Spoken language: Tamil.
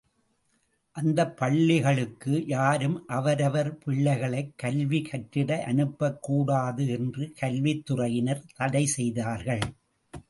அந்தப் பள்ளிகளுக்கு யாரும் அவரவர் பிள்ளைகளைக் கல்வி கற்றிட அனுப்பக் கூடாது என்று கல்வித்துறையினர் தடை செய்தார்கள்.